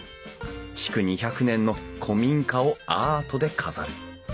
築２００年の古民家をアートで飾る。